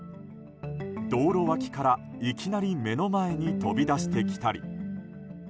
道路脇から、いきなり目の前に飛び出してきたり。